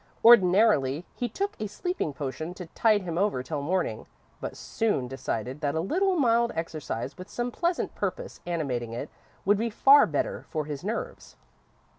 Ordinarily, he took a sleeping potion to tide him over till morning, but soon decided that a little mild exercise with some pleasant purpose animating it, would be far better for his nerves.